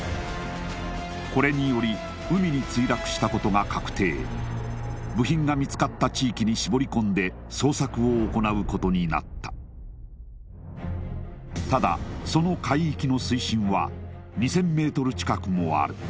これにより海に墜落したことが確定部品が見つかった地域に絞り込んで捜索を行うことになったただその海域の水深は２０００ｍ近くもあるダイバーでは潜ることができない